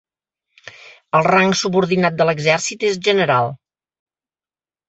El rang subordinat de l'exèrcit és general.